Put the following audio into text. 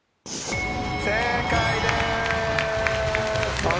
正解です。